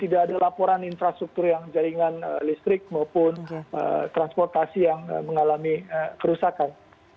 tidak ada laporan infrastruktur yang jaringan listrik maupun transportasi yang mengalami kerusakan